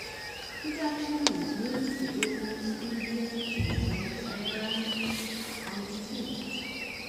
Production was moved to Disney's studios in Buenos Aires, Argentina.